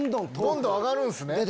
どんどん上がるんすね。